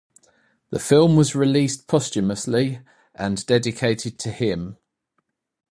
The film was released posthumously and dedicated to him.